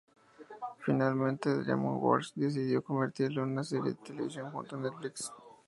Finalmente, DreamWorks decidió convertirlo en una serie de televisión junto a Netflix.